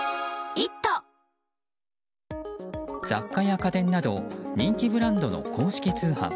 雑貨や家電など人気ブランドの公式通販。